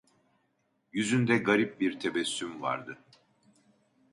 Yüzünde garip bir tebessüm vardı.